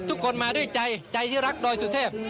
ทุกคนมาด้วยใจใจที่รักดอยสุเทพ